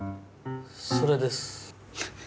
それです。